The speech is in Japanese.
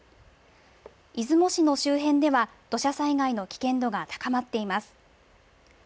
出雲市の周辺では、土砂災害の危険度が高まっています。